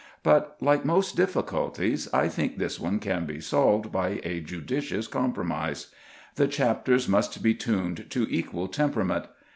But like most difficulties, I think this one can be solved by a judicious compromise; the chapters must be tuned to "equal temperament."